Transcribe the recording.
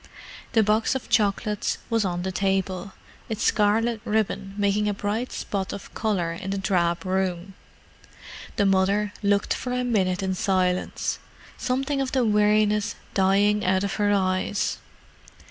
The box of chocolates was on the table, its scarlet ribbon making a bright spot of colour in the drab room. The mother looked for a minute in silence, something of the weariness dying out of her eyes.